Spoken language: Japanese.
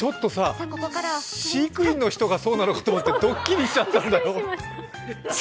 飼育員の人がそうなのかと思って、ドッキリしちゃった。